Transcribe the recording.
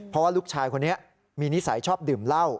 เพราะว่าลูกชายคนนี้มีนิสัยชอบดื่มเหล้า